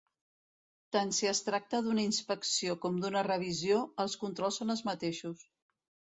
Tant si es tracta d'una inspecció com d'una revisió, els controls són els mateixos.